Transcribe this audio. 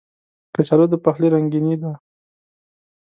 کچالو د پخلي رنګیني ده